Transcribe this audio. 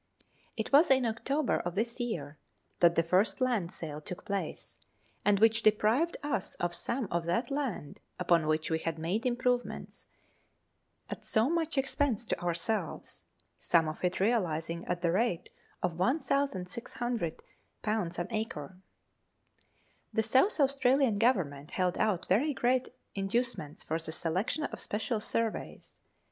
It was in October of this year that the first land sale took place, and which deprived us of some of that land upon which we had made improvements at so much expense to ourselves some of it realizing at the rate of 1,600 an acre. 264 Letters from Victorian Pioneers. The South Australian Government held out very great induce ments for the selection of special surveys.